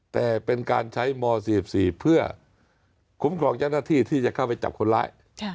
แต่เป็นการใช้ม๔๔เพื่อคุ้มครองเจ้าหน้าที่ที่จะเข้าไปจับคนร้าย